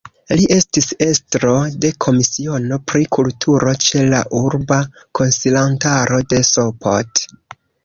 Li estis estro de Komisiono pri Kulturo ĉe la Urba Konsilantaro de Sopot.